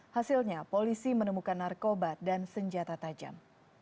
hasilnya polisi menemukan narkoba dan senjata tajam